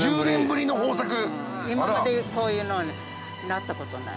うんうん今までこういうのなったことない。